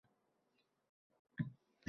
Sizlarga berishim kerak boʻlgani bor.